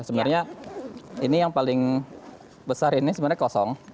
sebenarnya ini yang paling besar ini sebenarnya kosong